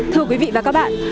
thưa quý vị và các bạn